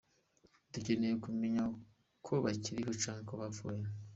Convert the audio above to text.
"Dukeneye kumenya ko bakiriho canke ko bapfuye.